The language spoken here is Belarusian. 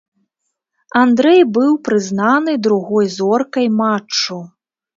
Андрэй быў прызнаны другой зоркай матчу.